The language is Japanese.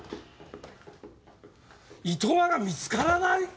糸間が見つからない？